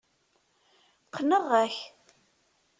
Qqneɣ-ak.